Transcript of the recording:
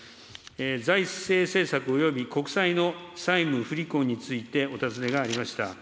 財政政策および国債の債務不履行についてお尋ねがありました。